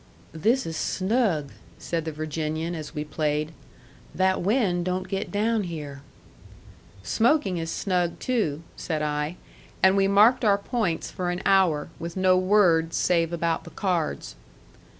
"This is snug," said the Virginian, as we played. "That wind don't get down here." "Smoking is snug, too," said I. And we marked our points for an hour, with no words save about the cards.